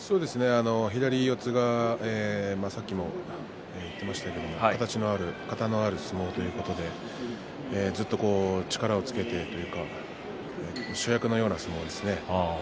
左四つが、さっきも言っていましたけど型のある相撲ということで力をつけている主役のような相撲ですね。